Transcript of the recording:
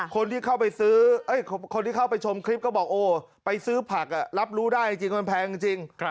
คนที่เข้าไปชมคลิปก็บอกไปซื้อผักรับรู้ได้จริงมันแพงจริง